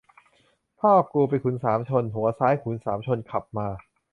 พ่อกูไปขุนสามชน หัวซ้ายขุนสามชนขับมา